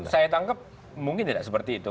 saya tangkap mungkin tidak seperti itu